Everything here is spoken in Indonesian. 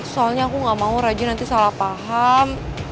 soalnya aku gak mau rajin nanti salah paham